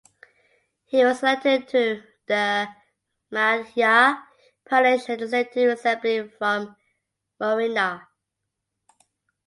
He was elected to the Madhya Pradesh Legislative Assembly from Morena.